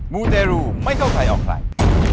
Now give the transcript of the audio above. มูเตรูไม่เข้าใครออกใคร